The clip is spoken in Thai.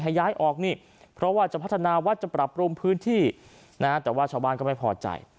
ย้ายออกนี่เพราะว่าจะพัฒนาวัดจะปรับปรุงพื้นที่นะฮะแต่ว่าชาวบ้านก็ไม่พอใจ